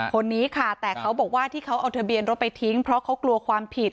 คนนี้ค่ะแต่เขาบอกว่าที่เขาเอาทะเบียนรถไปทิ้งเพราะเขากลัวความผิด